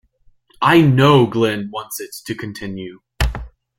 I know Glenn wants it to continue.